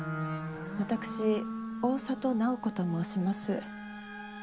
私大郷楠宝子と申します。